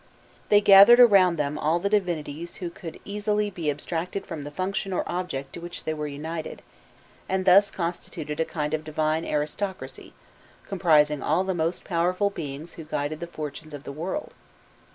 They gathered around them all the divinities who could easily be abstracted from the function or object to which they were united, and they thus constituted a kind of divine aristocracy, comprising all the most powerful beings who guided the fortunes of the world.